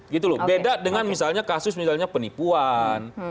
gitu loh beda dengan misalnya kasus misalnya penipuan